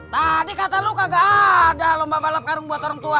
tadi kata luka gak ada lomba balap karung buat orang tua